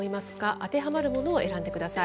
当てはまるものを選んでください。